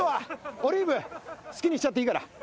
オリーブ好きにしちゃっていいから。